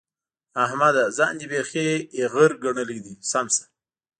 احمده! ځان دې بېخي ايغر ګڼلی دی؛ سم شه.